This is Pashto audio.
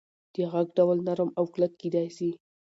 د غږ ډول نرم او کلک کېدی سي.